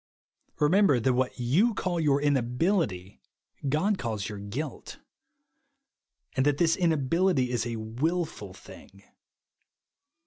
Remember that ivhat you call your in ahility God calls your guilt ; and that this inability is a luilful thing.